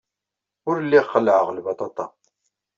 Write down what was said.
Ur lliɣ qellɛeɣ lbaṭaṭa.